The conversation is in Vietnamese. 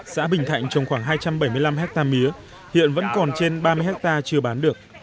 xã bình thạnh trồng khoảng hai trăm bảy mươi năm hectare mía hiện vẫn còn trên ba mươi hectare chưa bán được